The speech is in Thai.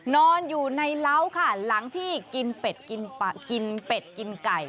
นอนอยู่ในเล้าค่ะหลังที่กินเป็ดกินไก่